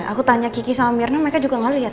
aku tanya kiki sama mirna mereka juga gak liat